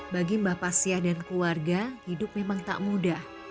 bagi mbah pasya dan keluarga hidup memang tak mudah